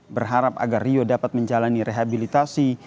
berharap agar rio dapat menjalani rehabilitasi